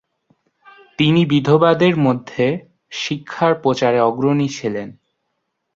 তিনি বিধবাদের মধ্যে শিক্ষার প্রচারে অগ্রণী ছিলেন।